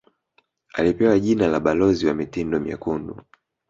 Alipewa jina la balozi wa mitindo myekundu